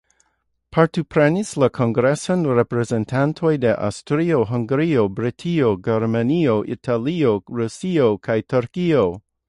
Partoprenis la kongreson reprezentantoj de Aŭstrio-Hungario, Britio, Germanio, Italio, Rusio kaj Turkio.